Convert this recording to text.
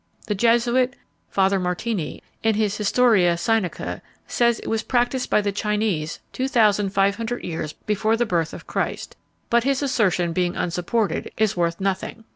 The Jesuit, Father Martini, in his Historia Sinica, says, it was practised by the Chinese two thousand five hundred years before the birth of Christ; but his assertion, being unsupported, is worth nothing.